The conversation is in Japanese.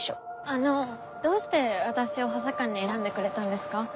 あのどうして私を補佐官に選んでくれたんですか？